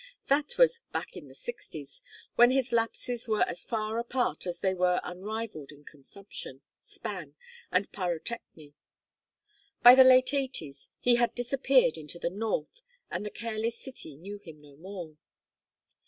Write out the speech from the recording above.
That was "back in the Sixties," when his lapses were as far apart as they were unrivalled in consumption, span, and pyrotechny. By the late Eighties he had disappeared into the north, and the careless city knew him no more.